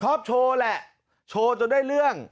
โชว์แหละโชว์จนได้เรื่อง